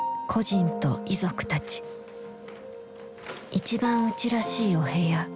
一番うちらしいお部屋。